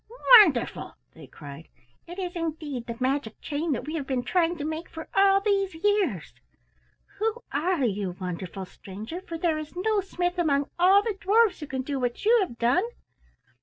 wonderful!" they cried. "It is indeed the magic chain that we have been trying to make for all these years. Who are you, wonderful stranger, for there is no smith among all the dwarfs who can do what you have done?"